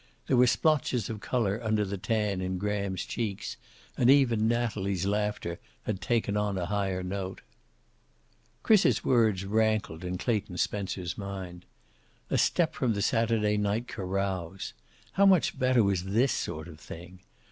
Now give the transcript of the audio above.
There were splotches of color under the tan in Graham's cheeks, and even Natalie's laughter had taken on a higher note. Chris's words rankled in Clayton Spencer's mind. A step from the Saturday night carouse. How much better was this sort of thing?